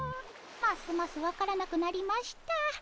ますます分からなくなりました。